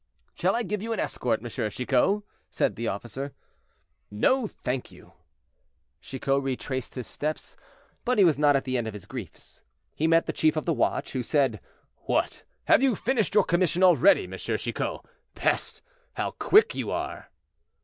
"Shall I give you an escort, M. Chicot?" said the officer. "No, thank you." Chicot retraced his steps, but he was not at the end of his griefs. He met the chief of the watch, who said, "What! have you finished your commission already, M. Chicot? Peste! how quick you are!"